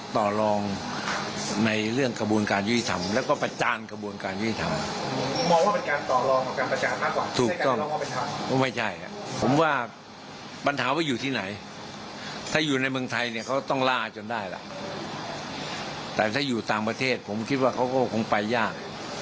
แต่ถ้าอยู่ต่างประเทศผมคิดว่าเขาก็คงไปยาก